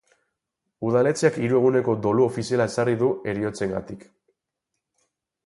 Udaletxeak hiru eguneko dolu ofiziala ezarri du heriotzengatik.